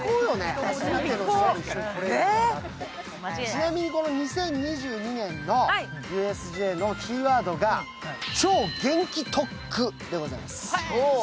ちなみに２０２２年のＵＳＪのキーワードが超元気特区でございます。